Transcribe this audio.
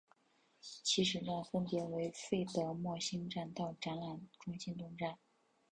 起始站分别为费德莫兴站到展览中心东站。